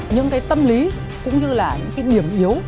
những cái tâm lý cũng như là những cái điểm yếu